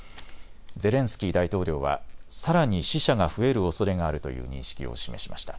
ゼレンスキー大統領はさらに死者が増えるおそれがあるという認識を示しました。